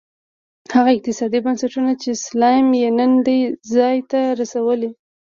هغه اقتصادي بنسټونه چې سلایم یې نن دې ځای ته رسولی.